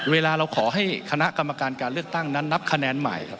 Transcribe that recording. เวลาเราขอให้คณะกรรมการการเลือกตั้งนั้นนับคะแนนใหม่ครับ